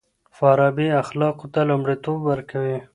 فارابي اخلاقو ته لومړيتوب ورکوي.